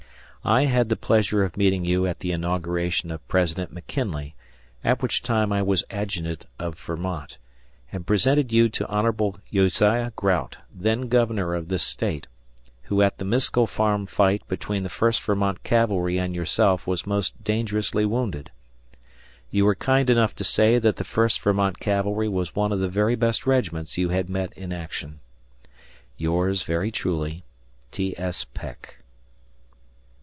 I had the pleasure of meeting you at the inauguration of President McKinley, at which time I was adjutant of Vermont, and presented you to Hon. Josiah Grout, then Governor of this state, who at the Miskel Farm fight between the First Vermont Cavalry and yourself was most dangerously wounded. ... You were kind enough to say that the First Vermont Cavalry was one of the very best regiments you had met in action. ... Yours very truly, T. S. Peck.